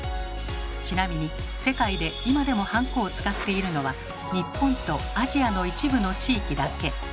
ちなみに世界で今でもハンコを使っているのは日本とアジアの一部の地域だけ。